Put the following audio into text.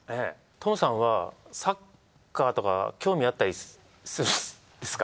トムさんはサッカーとか興味あったりするんですか？